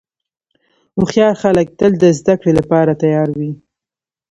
هوښیار خلک تل د زدهکړې لپاره تیار وي.